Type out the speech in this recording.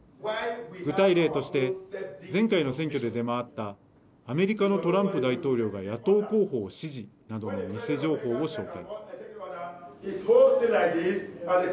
具体例として前回の選挙で出回ったアメリカのトランプ大統領が野党候補を支持などの偽情報を紹介。